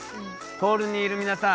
ホールにいる皆さん